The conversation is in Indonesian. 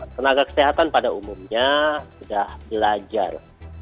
tenaga kesehatan pada umumnya sudah belajar